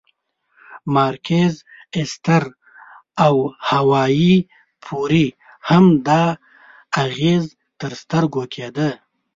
مارکیز، ایستر او هاوایي پورې هم دا اغېز تر سترګو کېده.